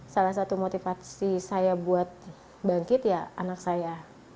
salah satu motivasi saya untuk bangkit adalah anak saya